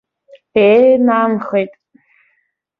Ее, нанхеит.